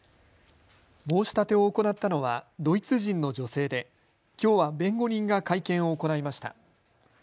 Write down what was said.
申し立てを行ったのはドイツ人の女性できょうは弁護人が会見を行いました。